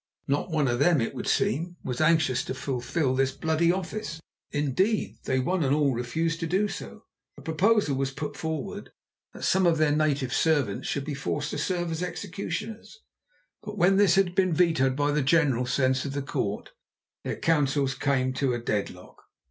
Not one of them, it would seem, was anxious to fulfil this bloody office; indeed, they one and all refused to do so. A proposal was put forward that some of their native servants should be forced to serve as executioners; but when this had been vetoed by the general sense of the court, their counsels came to a deadlock.